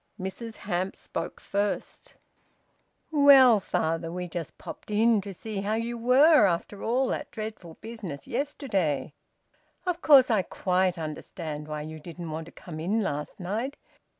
Mrs Hamps spoke first "Well, father, we just popped in to see how you were after all that dreadful business yesterday. Of course I quite understand you didn't want to come in last night.